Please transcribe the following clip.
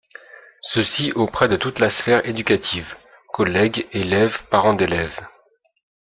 Ceci auprès de toute la sphère éducative: collègues, élèves, parents d'élèves.